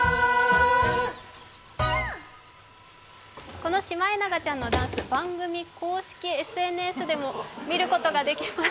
このシマエナガちゃんのダンス、番組公式ＳＮＳでも見ることができます。